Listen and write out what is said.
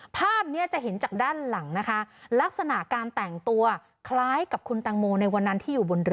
ภาพนี้จะเห็นจากด้านหลังนะคะลักษณะการแต่งตัวคล้ายกับคุณตังโมในวันนั้นที่อยู่บนเรือ